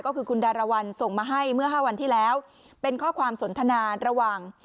ก็คือคุณดารวรรณส่งมาให้เมื่อ๕วันที่แล้วเป็นข้อความสนทนาระหว่าง